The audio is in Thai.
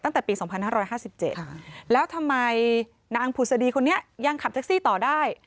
ตั้งแต่ปี๒๕๕๗แล้วทำไมนางผุศดีคนนี้ยังขับแท็กซี่ต่อได้